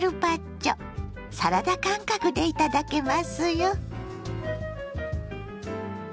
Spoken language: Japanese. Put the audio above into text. サラダ感覚でいただけますよ。